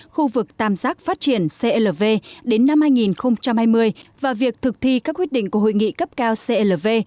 khu vực tạm giác phát triển clv đến năm hai nghìn hai mươi và việc thực thi các quyết định của hội nghị cấp cao clv